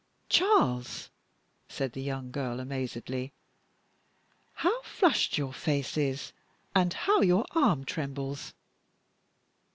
"Charles," said the young girl, amazedly, "how flushed your face is, and how your arm trembles!"